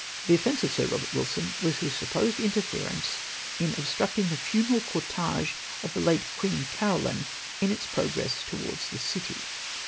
" The offence of Sir Eobert Wilson was bis supposed interfe rence in obstructing tbe funeral cortege of tbe late Queen Caro line in its progress towards tbe City.